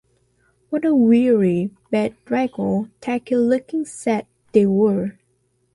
What a weary, bedraggled tacky-looking set they were.